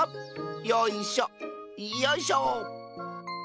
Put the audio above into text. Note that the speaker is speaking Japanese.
よいしょよいしょ。